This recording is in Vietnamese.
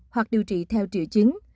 hoặc điều trị theo triệu chứng